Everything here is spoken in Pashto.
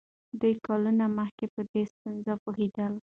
دوی کلونه مخکې په دې ستونزه پوهېدل.